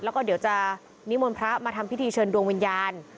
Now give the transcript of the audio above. แล้วก็เดี๋ยวจะนิมนต์พระมาทำพิธีเชิญดวงวิญญาณ